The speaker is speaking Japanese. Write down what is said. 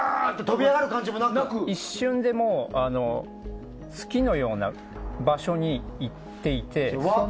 一瞬で月のような場所に行っていて。